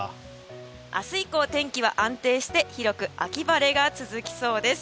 明日以降、天気は安定して広く秋晴れが続きそうです。